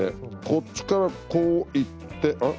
こっちからこう行ってうん？